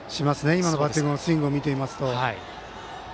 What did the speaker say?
今のバッティングのスイングを見ていますと。